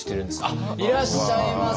あっいらっしゃいませ！